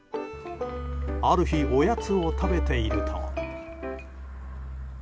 ある日おやつを食べていると。